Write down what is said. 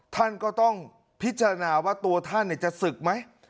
ท่านก็ต้องพิจารณาว่าตัวท่านจะศึกไหม